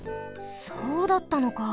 そうだったのか。